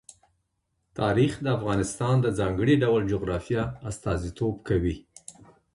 تاریخ د افغانستان د ځانګړي ډول جغرافیه استازیتوب کوي.